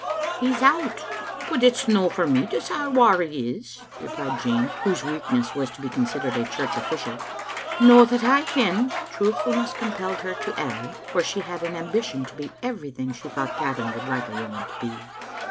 "He's out, but it's no for me to say whaur he is," replied Jean, whose weakness was to be considered a church official. "No that I ken," truthfulness com pelled her to add, for she had an ambition to be everything she thought Gavin would like a woman to be.